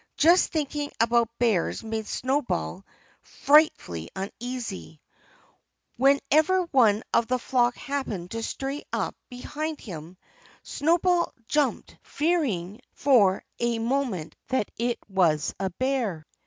Just thinking about bears made Snowball frightfully uneasy. Whenever one of the flock happened to stray up behind him Snowball jumped, fearing for a moment that it was a bear.